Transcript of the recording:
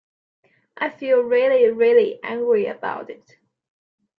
I feel really, really angry about it.